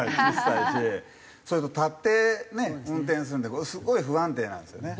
それと立って運転するんですごい不安定なんですよね。